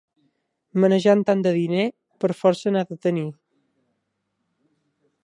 Manejant tant de diner, per força n'ha de tenir.